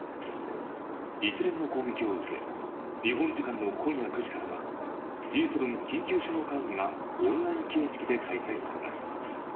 一連の攻撃を受け、日本時間の今夜９時からはＧ７緊急首脳会議がオンライン形式で開催されます。